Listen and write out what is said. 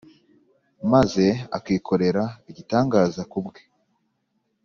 maze akikorera igitangaza ku bwe